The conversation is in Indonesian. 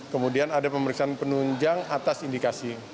kemudian ada pemeriksaan penunjang atas indikasi